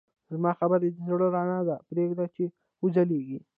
زما خبرې د زړه رڼا ده، پرېږده چې وځلېږي.